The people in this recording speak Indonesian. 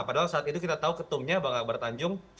padahal saat itu kita tahu ketumnya bang akbar tanjung